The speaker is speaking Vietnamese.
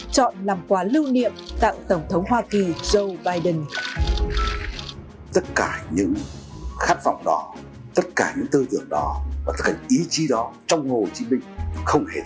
chọn bởi các bác sĩ của hồ chí minh